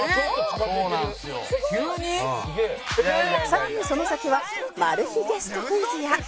更にその先はマル秘ゲストクイズや